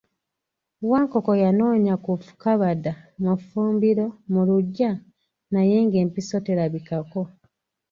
Wankoko yanoonya ku kabada, mu ffumbiro, mu luggya naye ng'empiso terabikako.